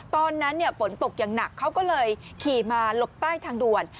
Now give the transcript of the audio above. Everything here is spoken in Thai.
ตอนนั้นฝนตกอย่างหนักเขาก็เลยขี่มาหลบใต้ทางด่วน